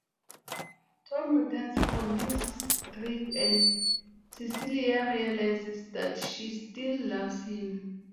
Tom returns from his trip and Cecilia realizes that she still loves him.